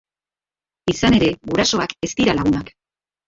Izan ere, gurasoak ez dira lagunak.